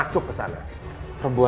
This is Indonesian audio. kau tak bisa mencoba